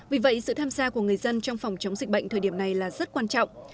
vì vậy sự tham gia của người dân trong phòng chống dịch bệnh thời điểm này là rất quan trọng